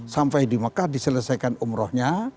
sampai di mekah diselesaikan umrohnya